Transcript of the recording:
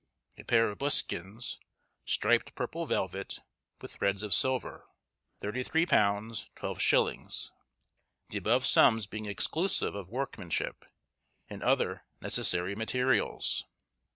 A pair of buskins, striped purple velvet, with threads of silver, £33 12_s._; the above sums being exclusive of workmanship, and other necessary materials.